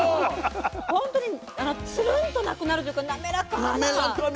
本当にツルンとなくなるというか滑らかな舌触りで。